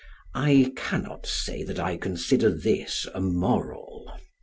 I cannot say that I consider this a moral.